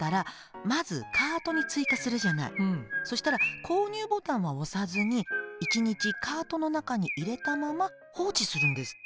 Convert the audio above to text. そしたら購入ボタンは押さずに一日カートの中に入れたまま放置するんですって。